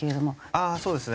ああそうですね。